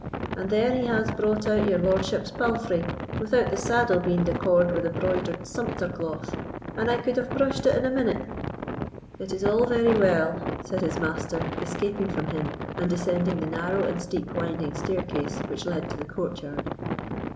And there he has brought out your lordship's palfrey, without the saddle being decored wi' the broidered sumpter cloth! and I could have brushed it in a minute." "It is all very well," said his master, escaping from him and descending the narrow and steep winding staircase which led to the courtyard.